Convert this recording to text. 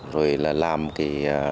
rồi làm cái